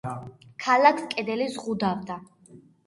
ქალაქს კედელი ზღუდავდა.